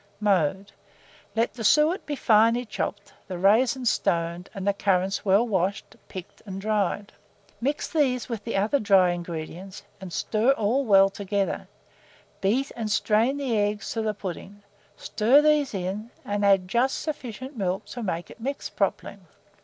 Mode. Let the suet be finely chopped, the raisins stoned, and the currants well washed, picked, and dried. Mix these with the other dry ingredients, and stir all well together; beat and strain the eggs to the pudding, stir these in, and add just sufficient milk to make it mix properly.